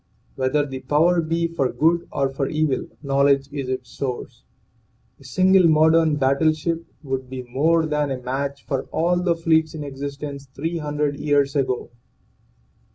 Whether the power be for good or for evil, knowledge is its source. A single modern battleship would be more than a match for all the fleets in existence three hundred years ago.